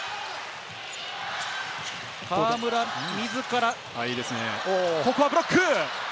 河村、自ら、ここはブロック！